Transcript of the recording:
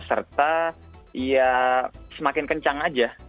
serta ya semakin kencang aja